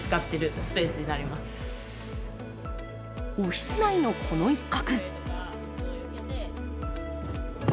オフィス内のこの一角。